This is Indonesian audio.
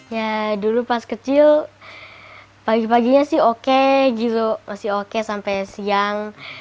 ya dulu pas kecil pagi paginya sih oke gitu masih oke sampai siang